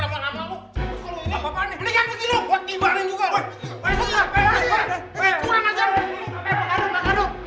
aduh aduh aduh